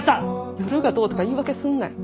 夜がどうとか言い訳すんなよ。